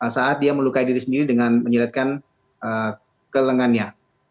saat dia melukai diri sendiri dengan menyelitkan kelengannya